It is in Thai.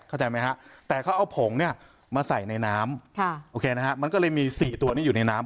เข้าใจไหมฮะแต่เขาเอาผงเนี่ยมาใส่ในน้ำโอเคนะฮะมันก็เลยมี๔ตัวนี้อยู่ในน้ำ